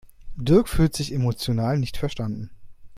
Dirk fühlt sich emotional nicht verstanden.